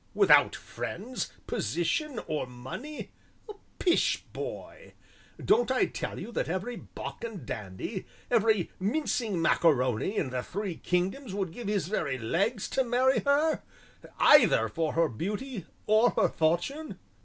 "Without friends, position, or money? Pish, boy! don't I tell you that every buck and dandy every mincing macaroni in the three kingdoms would give his very legs to marry her either for her beauty or her fortune?"